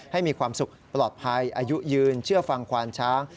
มีความสุขปลอดภัยอายุยืนเชื่อฟังควานช้าง